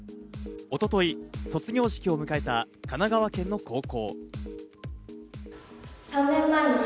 一昨日、卒業式を迎えた神奈川県の高校。